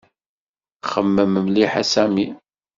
Xemmem mliḥ a Sami.